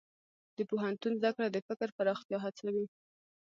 د پوهنتون زده کړه د فکر پراختیا هڅوي.